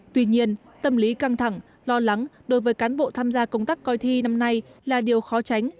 tuy nhiên tâm lý căng thẳng lo lắng đối với cán bộ tham gia công tác coi thi năm nay là điều khó tránh